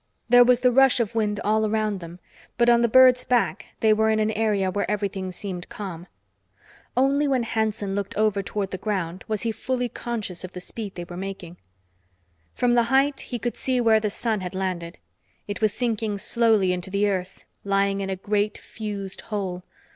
There was the rush of wind all around them, but on the bird's back they were in an area where everything seemed calm. Only when Hanson looked over toward the ground was he fully conscious of the speed they were making. From the height, he could see where the sun had landed. It was sinking slowly into the earth, lying in a great fused hole.